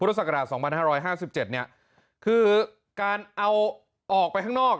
พุทธศักราช๒๕๕๗คือการเอาออกไปข้างนอก